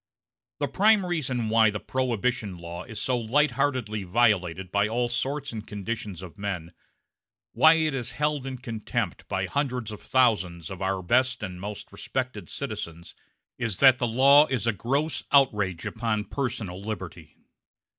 The prime reason why the Prohibition law is so light heartedly violated by all sorts and conditions of men, why it is held in contempt by hundreds of thousands of our best and most respected citizens, is that the law is a gross outrage upon personal liberty.